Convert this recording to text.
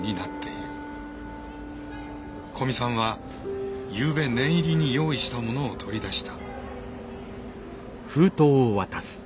古見さんはゆうべ念入りに用意したものを取り出した。